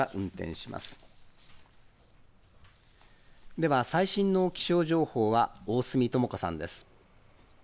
では最新の気象情報は、大隅智子さんです。